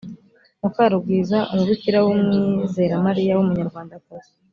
mukarugwiza umubikira w’umwizeramariya w’umunyarwandakazi